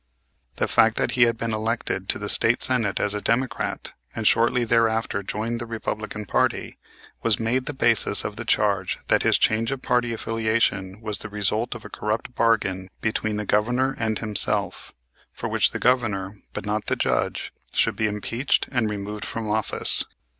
The fact that he had been elected to the State Senate as a Democrat, and shortly thereafter joined the Republican party was made the basis of the charge that his change of party affiliation was the result of a corrupt bargain between the Governor and himself, for which the Governor, but not the Judge, should be impeached and removed from office.